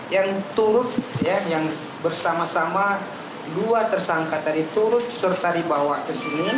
yang turut yang bersama sama dua tersangkutan diturut serta dibawa ke sini